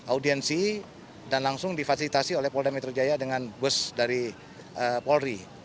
audiensi dan langsung difasilitasi oleh polda metro jaya dengan bus dari polri